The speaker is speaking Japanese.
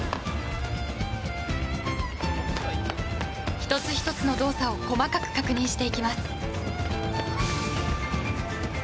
１つ１つの動作を細かく確認していきます。